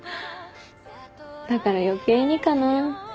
だから余計にかな。